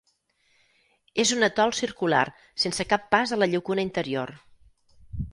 És un atol circular sense cap pas a la llacuna interior.